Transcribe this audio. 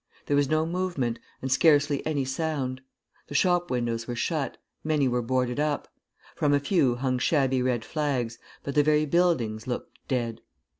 There was no movement, and scarcely any sound. The shop windows were shut, many were boarded up; from a few hung shabby red flags, but the very buildings looked dead.